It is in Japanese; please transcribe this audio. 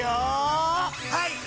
はい！